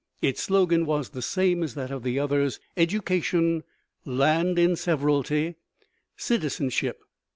Its slogan was the same as that of the others: Education; Land in Severalty; Citizenship!